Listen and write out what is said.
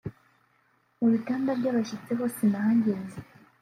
Mu bitanda by’abashyitsi ho sinahageze